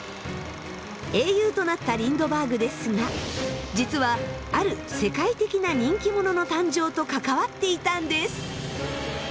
英雄となったリンドバーグですが実はある世界的な人気者の誕生と関わっていたんです。